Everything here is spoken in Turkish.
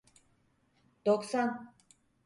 Doksan.